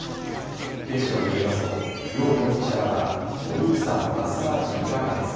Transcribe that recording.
警視庁によりますとヨウ容疑者はお兄さんマッサージいかがです？